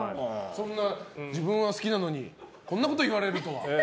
自分は好きなのにこんなこと言われるとは。